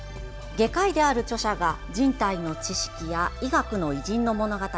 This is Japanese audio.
外科医である著者が人体の知識や医学の偉人の物語